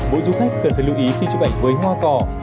mỗi du khách cần phải lưu ý khi chụp ảnh với hoa cỏ